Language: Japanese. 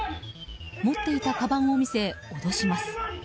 持っていたかばんを見せ脅します。